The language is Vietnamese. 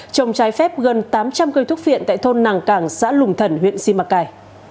trồng trái phép gần tám trăm linh cây thuốc phiện tại thôn nàng cảng xã lùng thần huyện simacai